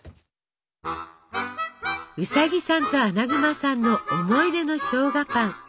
ウサギさんとアナグマさんの思い出のしょうがパン！